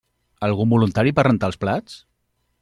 Algun voluntari per rentar els plats?